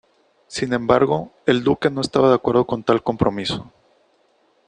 Sin embargo, el duque no estaba de acuerdo con tal compromiso.